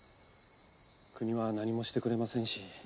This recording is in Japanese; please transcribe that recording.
国は何もしてくれませんし。